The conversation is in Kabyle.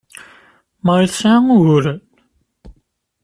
Marie tesɛa uguren?